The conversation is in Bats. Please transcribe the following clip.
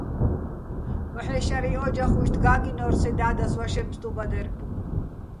მოჰ̦ე́ შარიჼ ო́ჯახ, უჲშტი̆ გა́გჲინორ სე და́დას ვაშეჼ ფსტუბადერ.